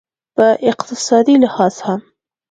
په اقتصادي لحاظ هم